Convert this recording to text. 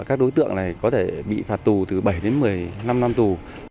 các đối tượng này có thể bị phạt tù từ bảy đến một mươi năm năm tù